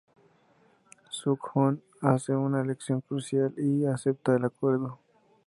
Suk Hoon hace una elección crucial y acepta el acuerdo.